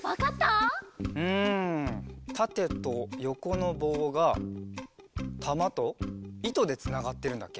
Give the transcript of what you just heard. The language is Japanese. うんたてとよこのぼうがたまといとでつながってるんだっけ？